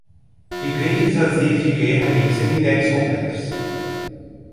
Igrejas vazias de guerra e cemitérios completos.